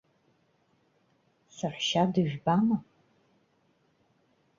Саҳәшьа дыжәбама?